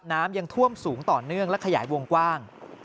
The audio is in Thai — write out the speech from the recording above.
น้ำยังท่วมสูงต่อเนื่องและขยายวงกว้าง